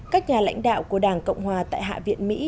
các nhà lãnh đạo của đảng cộng hòa tại hạ viện mỹ